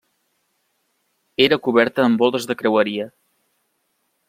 Era coberta amb voltes de creueria.